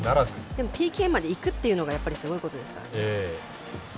でも、ＰＫまでいくっていうのがすごいことですから。